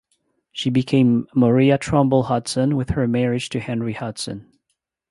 She became Maria Trumbull Hudson with her marriage to Henry Hudson.